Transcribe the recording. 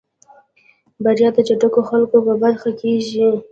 بريا د چټکو خلکو په برخه کېږي.